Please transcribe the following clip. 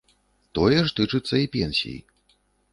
Тое ж тычыцца і пенсій.